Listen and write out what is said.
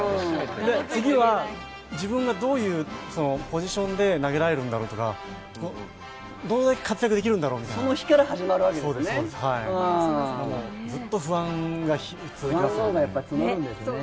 次は自分がどういうポジションで投げられるんだろうとか、どれだけ活躍できるんだろうという、ずっと不安が続きますね。